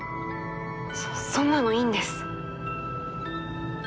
そそんなのいいんです。